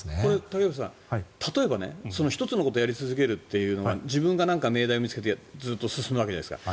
竹内さん、１つのことをやり続けるというのが自分が命題を見つけてずっと進むわけじゃないですか。